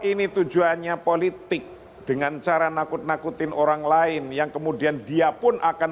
ini tujuannya politik dengan cara nakut nakutin orang lain yang kemudian dia pun akan